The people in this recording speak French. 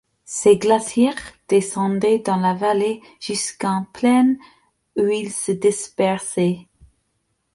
Ces glaciers descendaient dans la vallée, jusqu’en plaine où ils se dispersaient.